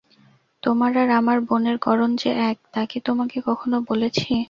তোমার আর আমার বোনের গড়ন যে এক, তা কি তোমাকে কখনো বলেছি?